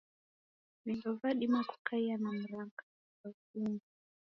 Vindo vadima kukaia na mranganyo ghwa viungo.